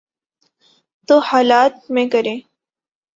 تو حالات میں کریں۔